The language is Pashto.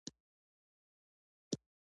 د کرم او شترګردن د کوتل له لارې یې یرغل وکړ.